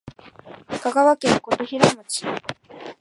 香川県琴平町